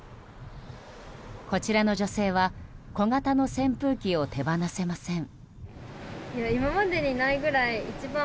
こちらの女性は小型の扇風機を手放せません。